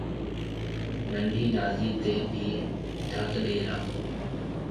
ننڊِي نادِي تيَ ڀِي ڍڪ ڏَي راکو